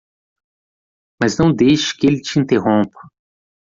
Mas não deixe que ele te interrompa.